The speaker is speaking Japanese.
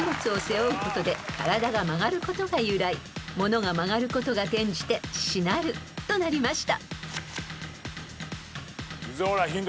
［ものが曲がることが転じて「撓る」となりました］